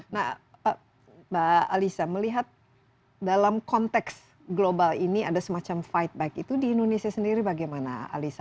nah mbak alisa melihat dalam konteks global ini ada semacam fight back itu di indonesia sendiri bagaimana alisa